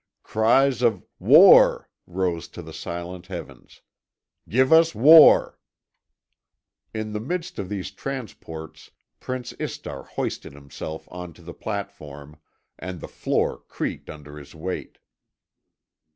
Cries of "War!" rose to the silent heavens; "Give us war!" In the midst of these transports Prince Istar hoisted himself on to the platform, and the floor creaked under his weight.